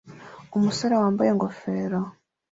Umusore wambaye ingofero